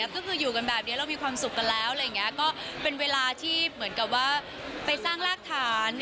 ก็คืออยู่กันแบบนี้เรามีความสุขกันแล้วอะไรอย่างนี้ก็เป็นเวลาที่เหมือนกับว่าไปสร้างรากฐาน